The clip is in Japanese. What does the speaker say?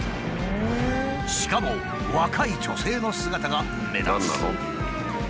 しかも若い女性の姿が目立つ。